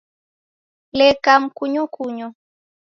Leka mkunyokunyo